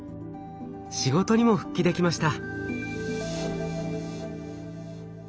仕事にも復帰できました。